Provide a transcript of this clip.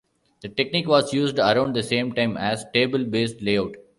The technique was used around the same time as table-based layout.